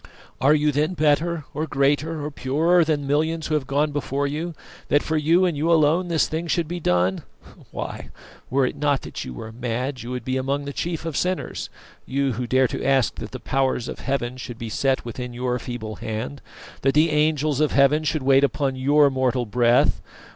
Are you then better, or greater, or purer than millions who have gone before you, that for you and you alone this thing should be done? Why, were it not that you are mad, you would be among the chief of sinners; you who dare to ask that the Powers of Heaven should be set within your feeble hand, that the Angels of Heaven should wait upon your mortal breath.